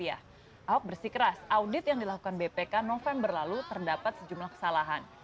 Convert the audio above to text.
ahok bersikeras audit yang dilakukan bpk november lalu terdapat sejumlah kesalahan